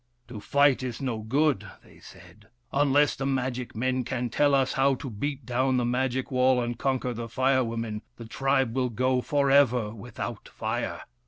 " To fight is no good," they said. " Unless the magic men can tell us how to beat down the magic wall and conquer the Fire Women, the tribe will go for ever without Fire.